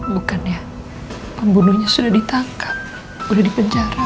bukannya pembunuhnya sudah ditangkap sudah dipenjara